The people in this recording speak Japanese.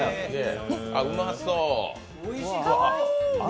うまそう。